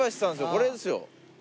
これですよ。